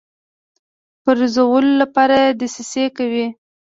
پرزولو لپاره دسیسې کوي.